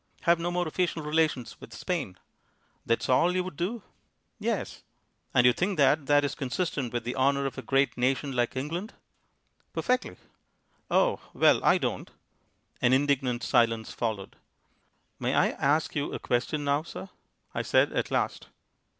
"Have no more official relations with Spain." "That's all you would do?" "Yes." "And you think that that is consistent with the honour of a great nation like England?" "Perfectly." "Oh! Well, I don't." An indignant silence followed. "May I ask you a question now, sir?" I said at last.